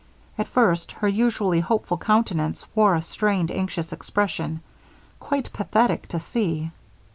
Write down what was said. At first, her usually hopeful countenance wore a strained, anxious expression, quite pathetic to see.